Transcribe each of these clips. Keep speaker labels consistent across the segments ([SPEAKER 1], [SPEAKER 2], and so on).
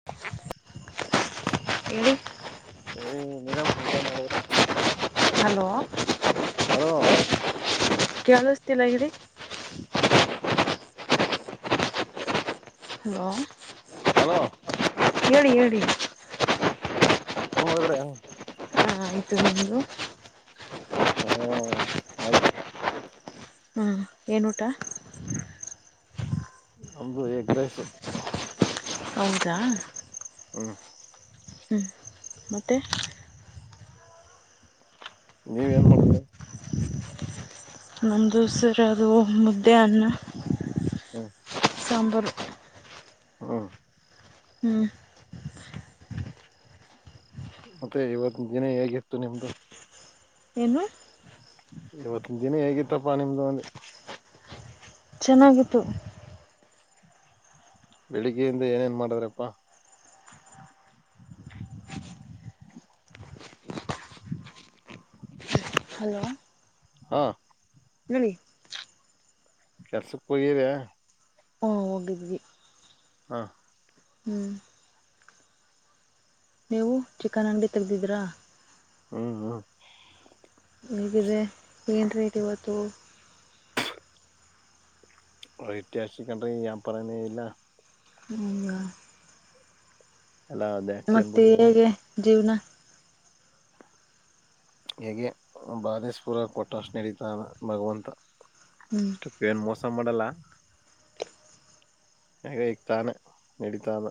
[SPEAKER 1] [inaudible] [unintelligible]
[SPEAKER 2] ಏಲಿ madam ಊಟ ಮಾಡದ್ರ ಆಯ್ತು
[SPEAKER 1] ಹಲೋ
[SPEAKER 2] ಹಲೋ
[SPEAKER 1] [unintelligible] ಹಲೋ
[SPEAKER 2] ಹಲೋ
[SPEAKER 1] ಹೇಳಿ ಹೇಳಿ
[SPEAKER 2] [unintelligible] ಮಾಡಿದ್ರ ಹೆಂಗ
[SPEAKER 1] ಹಾ ಆಯ್ತು ನಿಂದು
[SPEAKER 2] ಹೂ ಆಯ್ತು
[SPEAKER 1] ಹಾ ಏನ್ ಊಟಾ
[SPEAKER 2] ನಮು ಎಗ್ ರೈಸು
[SPEAKER 1] ಹೌದಾ
[SPEAKER 2] ಹ್ಞ
[SPEAKER 1] ಹ್ಞ ಮತ್ತೆ
[SPEAKER 2] ನೀವ ಏನ್ ಮಾಡಿದ್ರಿ
[SPEAKER 1] ನಮ್ಮದು ಸರ್ ಅದು ಮುದ್ದೆ ಅನ್ನಾ
[SPEAKER 2] ಹಾ
[SPEAKER 1] ಸಾಂಬಾರು
[SPEAKER 2] ಹಾ
[SPEAKER 1] ಹ್ಮ್
[SPEAKER 2] ಮತ್ತೆ ಇವತ್ ದಿನ ಹೇಗಿತ್ತು ನಿಮ್ದು
[SPEAKER 1] ಏನು
[SPEAKER 2] ಇವತ್ತ ದಿನ ಹೇಗಿತ್ತಪ್ಪಾ ನಿಮ್ದು ಅಂದೆ
[SPEAKER 1] ಚೆನ್ನಾಗಿತ್ತು
[SPEAKER 2] ಬೆಳಿಗ್ಗೆಯಿಂದ ಏನೇನ್ ಮಾಡಿದ್ರಪ್ಪಾ
[SPEAKER 1] ಹಲೋ
[SPEAKER 2] ಹಾ,
[SPEAKER 1] ಹೇಳಿ
[SPEAKER 2] ಕೆಲ್ಸಕ್ ಹೋಗಿದ್ಯಾ.
[SPEAKER 1] ಹ ಹೋಗಿದ್ವಿ.
[SPEAKER 2] ಹಾ,
[SPEAKER 1] ಹ್ಮ್. ನೀವು ಚಿಕನ್ ಅಂಗಡಿ ತೆಗ್ದಿದ್ರಾ.
[SPEAKER 2] ಹ್ಮ್, ಹ್ಮ್
[SPEAKER 1] ಹೀಗಿದೆ ಏನು ರೇಟ್ ಇವತ್ತು.
[SPEAKER 2] ರೇಟ್ ಜಾಸ್ತಿ ಕಣ್ರೀ ವ್ಯಾಪರನೇ ಇಲ್ಲ.
[SPEAKER 1] ಹಂಗ.
[SPEAKER 2] ಹಲೊ ಅದೇ
[SPEAKER 1] ಮತ್ತೆ ಹೇಗೆ ಜೀವನಾ,
[SPEAKER 2] ಹೀಗೆ ಬಾದೇಶ್ವರ ಕೊಟ್ಟ ಅಷ್ಟ್ ನಡೀತಾ ಇದೆ ಭಗವಂತ.
[SPEAKER 1] ಹ್ಮ್.
[SPEAKER 2] ಏನ್ ಮೋಸ ಮಾಡಲ್ಲಾ. ಹೇಗ್ ತಾನೇ ನಡೀತಾದ.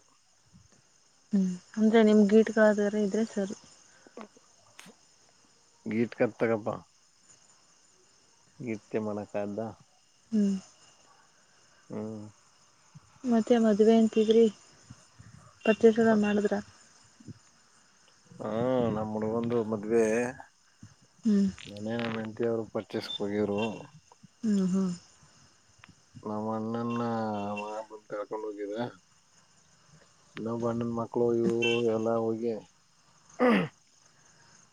[SPEAKER 1] ಹ್ಮ್ ಅಂದ್ರೆ ನಿಮ್ ಗೀಟ್ಗಳಾದಾರೆ ಇದ್ರೆ ಸರಿ.
[SPEAKER 2] [unintelligible] [unintelligible] ಮಾಡಕಾದಾ
[SPEAKER 1] ಹ್ಮ್.
[SPEAKER 2] ಹಾ.
[SPEAKER 1] ಮತ್ತೆ ಮದುವೆ ಅಂತಿದ್ರಿ ಪರ್ಚಸ್ ಎಲ್ಲಾ ಮಾಡಿದ್ರ.
[SPEAKER 2] ಹಾ ನಮ್ಮ ಹುಡುಗನಂದು ಮದುವೆ.
[SPEAKER 1] ಹ್ಮ.
[SPEAKER 2] ಮನೆಯ ಹೆಂಡತಿವರು ಪರ್ಚೆಸ್ ಹೋಗಿರು,
[SPEAKER 1] ಹ್ಮ್, ಹ್ಮ
[SPEAKER 2] ನಮ್ಮ ಅಣ್ಣನ್ನ ಬಂದ ಕರ್ಕೊಂಡ್ ಹೋಗಿದಾ ಇನ್ನೊಬ್ಬ ಅಣ್ಣನ ಮಕ್ಕಳು ಇವರು ಎಲ್ಲಾ ಹೋಗಿ,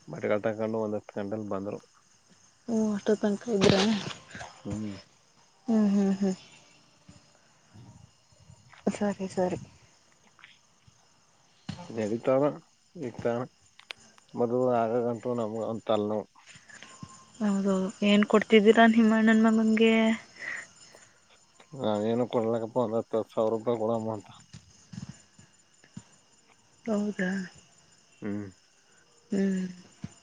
[SPEAKER 2] [unintelligible] ತಗೊಂಡು ಒಂದು ಹತ್ತು ಗಂಟಗೆ ಬಂದರು.
[SPEAKER 1] ಓ ಅಷ್ಟೋ ತನಕ ಇದ್ರ.
[SPEAKER 2] ಹ್ಮ.
[SPEAKER 1] ಹ್ಮ್, ಹ್ಮ್, ಹ್ಮ್
[SPEAKER 2] [inaudible]
[SPEAKER 1] ಸರಿ, ಸರಿ
[SPEAKER 2] [unintelligible]
[SPEAKER 1] ಹೌದು ಏನ್ ಕೊಡ್ತಿದ್ದೀರಾ ನಿಮ್ಮಣ್ಣನ್ ಮಗನ್ಗೆ.
[SPEAKER 2] ನಾವೇಏನು ಕೊಡ್ಲಕ್ಕಪ್ಪ ಒಂದ ಹತ್ತು ಸಾವಿರ ರೂಪಾಯಿ ಕೂಡ ಅಮೌಂಟ್.
[SPEAKER 1] ಹೌದಾ,
[SPEAKER 2] ಹ್ಮ್,
[SPEAKER 1] ಹ್ಮ್,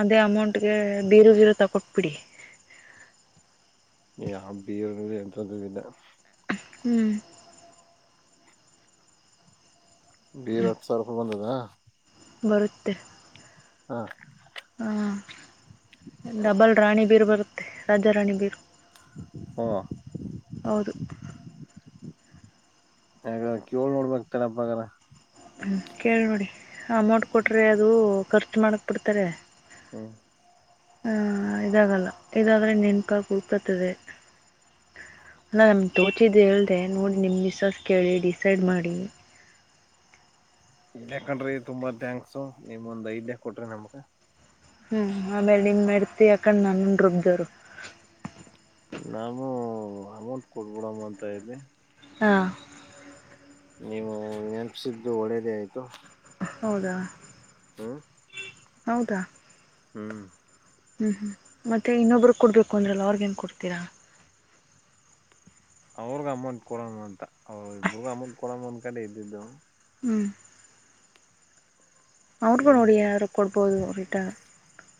[SPEAKER 1] ಅದೇ ಅಮೌಂಟ್ ಗೆ ಬೇರೆದೇನೋ ತಕೊಟ್ಬಿಡಿ.
[SPEAKER 2] ಯಾ ಬೇರೆ ಯ್ತದ್ದು ಇಲ್ಲ.
[SPEAKER 1] ಹ್ಮ.
[SPEAKER 2] ಬೇರ ಹತ್ತು ಸಾವಿರ ರೂಪಾಯಿ ಬಂದದಾ,
[SPEAKER 1] ಬರುತ್ತೆ,
[SPEAKER 2] ಹಾ
[SPEAKER 1] ಹಾಂ ಡಬಲ್ ರಾಣಿ ಬೀರು ಬರುತ್ತೆ ರಾಜ ರಾಣಿ ಬೀರು
[SPEAKER 2] ಹ್ಮ
[SPEAKER 1] ಹೌದು
[SPEAKER 2] ಯ ಕೇಳಳ್ ನೋಡ್ಬಕ್ತಾರಪ್ಪಗಾರ
[SPEAKER 1] ಕೇಳಿ ನೋಡಿ ಅಮೌಂಟ್ ಕೊಟ್ರೆ ಅದು ಖರ್ಚು ಮಾಡಕ್ ಬಿಡ್ತಾರೆ
[SPEAKER 2] ಹ್ಮ್
[SPEAKER 1] ಆ ಇದಾಗಲ್ಲ ಇದಾದ್ರೆ ನೆನ್ಪಾ ಕೂತ್ಕತದೆ ಅಲ್ಲ ನಮ್ಮ ತೋಚಿದ್ದ ಹೇಳಿದೆೆ ನೋಡಿ ನಿಮ್ಮ ವಿಶ್ವಾಸ ಕೇಳಿ ಡಿಸೈಡ್ ಮಾಡಿ
[SPEAKER 2] ಇನ್ ಯಾಕ್ರಿ ತುಂಬಾ ಥ್ಯಾಂಕ್ಸ್ಮ್ ಒಂದ್ಐದ್ಯ ಕೊಟ್ರಿ ನಮ್ಗ
[SPEAKER 1] ಹ್ಮ್ ಆಮೇಲೆ ನಿನ್ ಮೆಡ್ತಿ ಯಾಕೊಂಡ್ ನನ್ನ ರುಬ್ವರು
[SPEAKER 2] ನಾನು ಅಮೌಂಟ್ ಕೊಡ್ಬಿಡಮ್ಮ ಅಂತ ಇವಿ
[SPEAKER 1] ಹಾಂ
[SPEAKER 2] ನೀವು ನೆನಪಸಿದ್ದು ಒಳ್ಳೇದೇ ಆಯ್ತು
[SPEAKER 1] ಹೌದಾ
[SPEAKER 2] ಹ್ಮ
[SPEAKER 1] ಹೌದಾ
[SPEAKER 2] ಹ್ಮ್
[SPEAKER 1] ಹ್ಞೂ ಹ್ಞೂ ಮತ್ತ ಇಬ್ಬರು ಕೊಡಬೇಕು ಅಂದ್ರಲ್ಲ ಅವ್ರಗ ಏನು ಕೊಡ್ತೀರಾ
[SPEAKER 2] ಅವ್ರಗ್ ಅಮಂಟ್ ಕೊಡಣ ಅಂತ ಅವ್ರ ಇಬಗ್ ಅಮಂಟ್ ಕೊಡ ಅಂದ್ ಕಡೆ ಇದ್ದಿದ್ದು
[SPEAKER 1] ಹ್ಮ ಅವ್ರಿಗೂ
[SPEAKER 2] ಏನ್
[SPEAKER 1] ನೋಡಿ ಏನಾದರರು ಕೊಡ್ಬೋದು ರಿಟ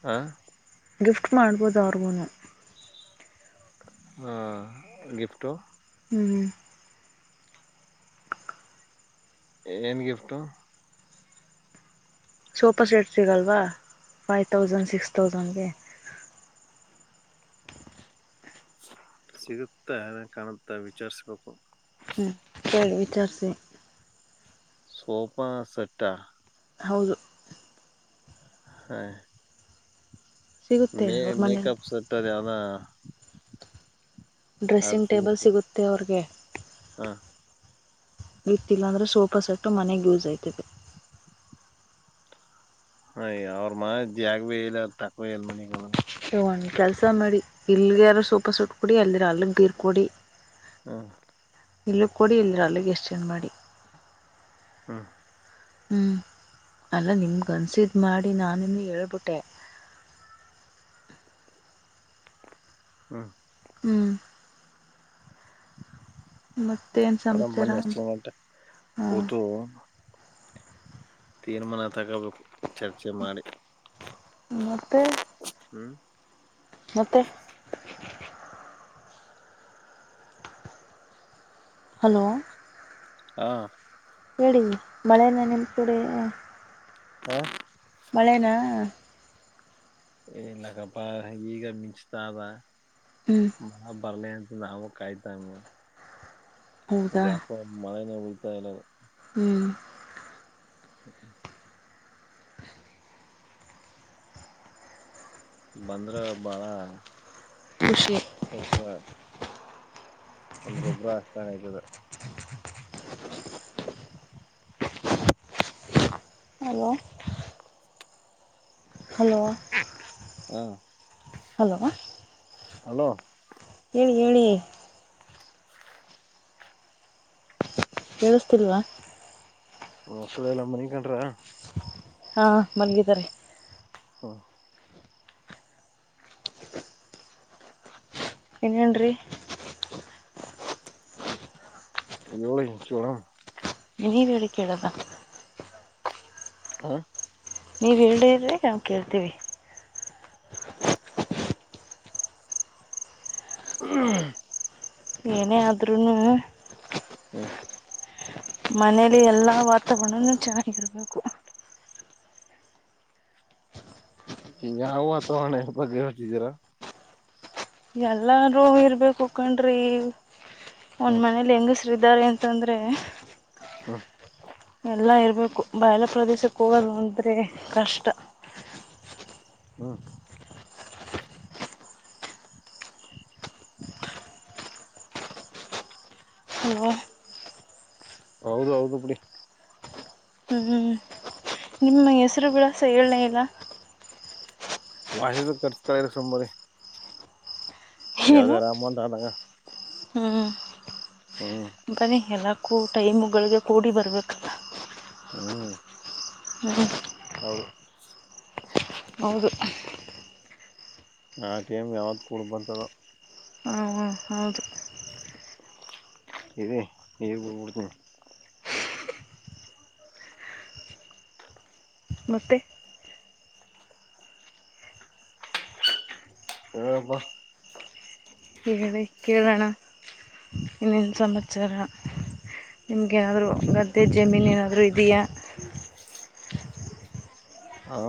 [SPEAKER 2] ಹಾ
[SPEAKER 1] ಗಿಫ್ಟ್ ಮಾಡ್ಬೋದು ಅವ್ರಿಗೂನು
[SPEAKER 2] ಹಾ ಗಿಫ್ಟು
[SPEAKER 1] ಹ್ಮ್ ಹ್ಮ
[SPEAKER 2] ಏನು ಗಿಫ್ಟು
[SPEAKER 1] ಸೂಪರ್ ಸೆಟ್ ಸಿಗಲ್ವಾ ಫೈ ತೌಸಂಡ್ ಸಿಕ್ಸ್ ತೌಸಂಡ್ಗೆ
[SPEAKER 2] ಸಿಗುತ್ತಾ ಕಾಣುತ್ತಾ ವಿಚಾರ್ಸಬೇಕು
[SPEAKER 1] ಹ್ಞ ಚ ವಿಚಾರ ಸ
[SPEAKER 2] ಸೊಪಾ ಸಟ
[SPEAKER 1] ಹೌದು
[SPEAKER 2] ಹಾ ಮ
[SPEAKER 1] ಸಿಗುತ್ತೆ ಅವ್ರ ಮನೇಲಿ
[SPEAKER 2] ಮೆಕಪ್ ಸೆಟರೆ ಆಾನ
[SPEAKER 1] ಡ್ರೆಸ್ಸಿಂಗ್ ಟೇಬಲ್ ಸಿಗುತ್ತೆ ಅವ್ರಿಗೆ
[SPEAKER 2] ಹಾ
[SPEAKER 1] ಇರ್ತ್ತಿಲ್ಲ ಅಂದ್ರೆ ಸೋಫಾ ಸೆಟ್ಟು ಮನೆಗ್ ಯೂಸ್ ಆಯ್ತದೆ
[SPEAKER 2] ಹ ಅವ್ರ ಮಾ ಜಾಗ ಭೇ ಇಲ್ಲ ತಕ್ವೇ ಇಲ್ ಮಗಂದ್ರರು
[SPEAKER 1] ಸ ಒಂದು ಕೆಲಸ ಮಾಡಿ ಇಲ್ಲಿಗೆ ಯಾರು ಸೂಪರ್ ಸುಟ್ಟ ಕೊಡಿ ಅಲ್ಲಿದಿರೋ ಅಲ್ಲಿಗೆ ಬೀರ್ ಕೊಡಿ
[SPEAKER 2] ಹಾ
[SPEAKER 1] ಇಲ್ಲಿ ಕೊಡಿ ಇಲ್ ಅಲ್ಲಿಗೆ ಎಸ್ ಚೇಂಜ್ ಮಾಡಿ
[SPEAKER 2] ಹಾಂ
[SPEAKER 1] ಹ್ಞೂ ಅಲ್ಲ ನಿಮ್ ಕನ್ಸಿದು ಮಾಡಿ ನಾನು ನಿಮಗೆ ಹೇಳ್ಬಿಟ್ಟೆ
[SPEAKER 2] ಹಾ
[SPEAKER 1] ಹ್ಮ್ ಮತ್ತೇನು
[SPEAKER 2] ಕಡ
[SPEAKER 1] ಸಮಾಚಾರ
[SPEAKER 2] ಬನ್ನಿ ಅಷ್ಟಂಟ
[SPEAKER 1] ಹಾಂ
[SPEAKER 2] ಕೂತು ತೀರ್ಮಾನ ತಗೋಬೇಕು ಚರ್ಚೆ ಮಾಡಿ.
[SPEAKER 1] ಮತ್ತೆ.
[SPEAKER 2] ಹು
[SPEAKER 1] ಮತ್ತೆ. ಹಲೋ.
[SPEAKER 2] ಹಾ.
[SPEAKER 1] ಹೇಳಿ ಮಳೆನಾ ನಿಮ್ಮ ಕಡೆ.
[SPEAKER 2] ಆ
[SPEAKER 1] ಮಳೆ ನಾ
[SPEAKER 2] ಇನ್ನ ಕಪ್ಪ ಈಗ ಮಿಂಚ್ತಾತಾಯಿದ.
[SPEAKER 1] ಹು
[SPEAKER 2] ಮಗಾ ಬರ್ಲಿ ಅಂತೇಳಿ ಅವ್ವಾ ಕಾಯತ್ತಾರ್ಬೇಕು. ಅದ
[SPEAKER 1] ಹೌದಾ
[SPEAKER 2] ಯಾಕೊ ಮಳೆನೆ ಉಯ್ತಾ ಇಲ್ಲಾ.
[SPEAKER 1] ಹಾ
[SPEAKER 2] ಹು ಬಂದ್ರ ಬಾಳ.
[SPEAKER 1] ಮುಷಿ
[SPEAKER 2] ಪಪ್ಪಾ ಒಂದ ಗೊಬ್ಬರಾ ಆಕ್ತಾ ಆಗೆದ.
[SPEAKER 1] Hello hello.
[SPEAKER 2] ಹಾ
[SPEAKER 1] ಹಲೋ
[SPEAKER 2] ಹಾ ಹಲೋ
[SPEAKER 1] ಹೇಳಿ ಹೇಳಿ. ಕೇಳಸ್ತಿಲ್ವಾ.
[SPEAKER 2] ಮಕ್ಕಳೆಲ್ಲಾ ಮನಿಕೊಂಡ್ರಾ.
[SPEAKER 1] ಹಾ ಮಲ್ಗಿದಾರೆ.
[SPEAKER 2] ಪ್ಚ್ ಹು
[SPEAKER 1] ಏನ್ ಹೇಳಡ್ರಿ.
[SPEAKER 2] ನೀವು ಚೋಳಾ
[SPEAKER 1] ನೀವಿ ಹೇಳದ ಕೇಳೋದಾ
[SPEAKER 2] ಆ
[SPEAKER 1] ನೀವ್ ಇಲ್ಲೆ ಇದ್ರೆ ನಾವ ಕೇಳ್ತೀವಿ.
[SPEAKER 2] ಹಾ ಕೇಳಿ ಕೋಹ್ಹ್ಹ್
[SPEAKER 1] ಏನೇ ಆದ್ರುನು.
[SPEAKER 2] ಹು
[SPEAKER 1] ಮನೇಲಿ ಎಲ್ಲಾ ವಾತಾವರನಾನು ಚೆನ್ನಾಗಿರ್ಬೇಕು.
[SPEAKER 2] ಈಗಾ ಅವ ವಾತಾವರಣ ಇದರಬಗ್ಗೆ ಹೇಳ್ತಿದ್ದೀರಾ.
[SPEAKER 1] ಎಲ್ಲೂರು ಇರ್ಬೇಕುಕಂಡ್ರಿ ಒಂದ್
[SPEAKER 2] ಹ್ಮ್
[SPEAKER 1] ಮನೇಲಿ ಹೆಂಗಸ್. ಇದ್ದಾರೆ ಅಂತಂದ್ರೆ.
[SPEAKER 2] ಕರೆಕ್ಟ್
[SPEAKER 1] ಎಲ್ಲಾ ಇರ್ಬೇಕು ಬಯಲ ಪ್ರದೇಶಕ್ಕೆ ಹೋಗದು ಅಂದ್ರೆ ಕಷ್ಟಾ.
[SPEAKER 2] ಹಾ ಟಕ್ ಟಕ್
[SPEAKER 1] ಯವ್ವ
[SPEAKER 2] ಹೌದು ಹೌದು ಬಿಡಿ.
[SPEAKER 1] ಹ್ಮ್ ನಿಮ್ಮ ಹೆಸರುಗಳ ಸೈರಣೆ ಇಲ್ಲ.
[SPEAKER 2] ಒಳೆದು ತರಿಸ್ತಾ ಇರಿ ಸುಮ್ಮನೆ. ಯಾವ್ದರ ಅಮೌಂಟ್ ಅದಾಗ.
[SPEAKER 1] ಹ್ಮ್
[SPEAKER 2] ಹ್ಮ್
[SPEAKER 1] ಬನ್ನಿ ಎಲ್ಲಕ್ಕೂ ಟೈಮು ಗಳಿಗೆ ಕೂಡಿ ಬರ್ಬೇಕು.
[SPEAKER 2] ಹ್ಮ್
[SPEAKER 1] ಹ್ಮ
[SPEAKER 2] ವೌದು
[SPEAKER 1] ಹೌದು
[SPEAKER 2] ಆ ಟೈಮ್ ಯಾವತ್ ಕೂಡ್ ಬಂತದೋ.
[SPEAKER 1] ಅವ ಹೌದು
[SPEAKER 2] ಇರಿ ಈಗ ಹೋಗ್ಬಿಡ್ತೀನಿ.
[SPEAKER 1] ಮತ್ತೆ
[SPEAKER 2] ಹಳ್ಬ
[SPEAKER 1] ಹೇಳಿ ಕೇಳೋಣ ಇನ್ನೇನ್ ಸಮಾಚಾರ. ನಿಮ್ಗೇಏನಾದ್ರು ಗದ್ದೆ ಜಮೀನು ಏನಾದ್ರು ಇದೆಯಾ.
[SPEAKER 2] ಹಾ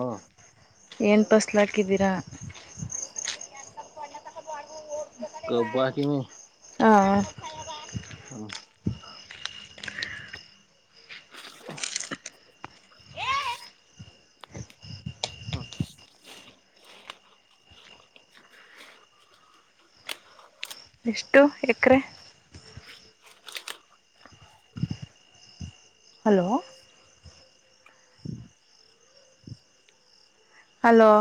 [SPEAKER 1] ಏನ್ ಫಸ್ಲ್ ಹಾಕಿದ್ದೀರಾ.
[SPEAKER 2] ಕಬ್ಬ ಹಾಕೀನಿ
[SPEAKER 1] ಹಾ
[SPEAKER 2] ಹ್ಮ ಹಾ
[SPEAKER 1] ಎಷ್ಟು ಎಕರೆ. Hello hello